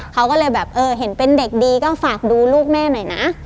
เขาก็เลยแบบเออเห็นเป็นเด็กดีก็ฝากดูลูกแม่หน่อยนะ